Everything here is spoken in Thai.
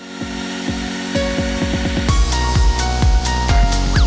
สวัสดีค่ะชื่ออังนะคะอังฆานาปัญญาน้อยค่ะ